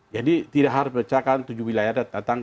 jadi tidak harus menceritakan tujuh wilayah adat datang